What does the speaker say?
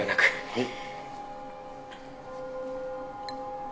はい。